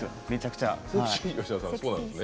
めちゃくちゃ。